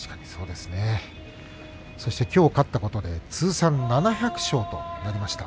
きょう勝ったことで通算７００勝となりました。